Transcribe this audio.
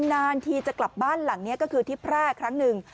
นานทีจะกลับบ้านหลังนี้ก็คือที่แพร่ครั้งหนึ่ง